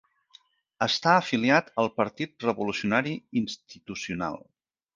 Està afiliat al Partit Revolucionari Institucional.